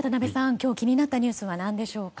今日気になったニュースは何でしょうか？